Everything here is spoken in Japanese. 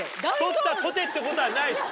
「取ったとて」ってことはないです。